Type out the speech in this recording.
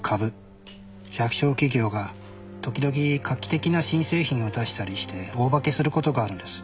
弱小企業が時々画期的な新製品を出したりして大化けする事があるんです。